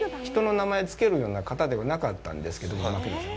人の名前をつけるような方ではなかったんですけど、牧野さん。